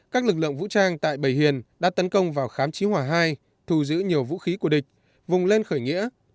các lực lượng vũ trang tại bầy hiền đã tấn công vào khám chí hòa hai thù giữ nhiều vũ khí của địch vùng lên khởi nghĩa